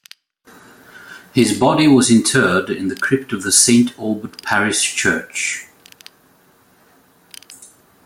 His body was interred in the crypt of the Saint Albert parish church.